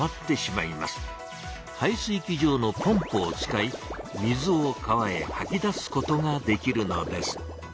排水機場のポンプを使い水を川へはき出すことができるのです。